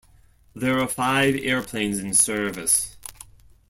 There are five airplanes in service.